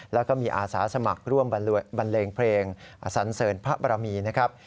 แล้วก็มีอาสาสมัครร่วมบันเลงเพลงอสันเสริญพระบรมีนะครับ